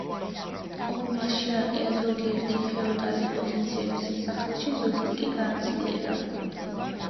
ომმა შეარყია ზოგიერთი ფეოდალის პოზიციები სასახლეში, ზოგის კი გააძლიერა.